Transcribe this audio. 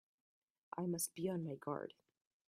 I must be on my guard!